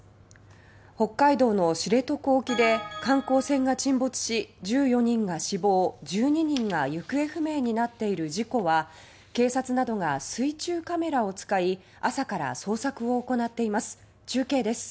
北海道の知床沖で観光船が沈没し１４人が死亡、１２人が行方不明になっている事故は警察などが水中カメラを使い朝から捜索を行っています。